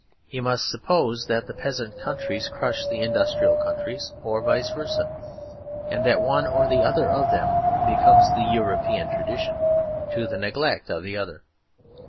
He must suppose that the peasant countries crush the industrial countries or vice versa; and that one or other of them becomes the European tradition to the neglect of the other.